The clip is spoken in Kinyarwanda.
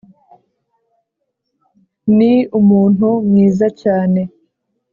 Ni umuntu mwiza cyane